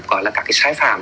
các sai phạm